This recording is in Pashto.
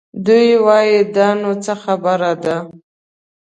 دوی وايي دا نو څه خبره ده؟